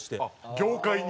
業界に？